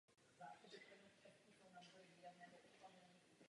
Japonský tým bude pokračovat v provozu stránky myearthdream.com.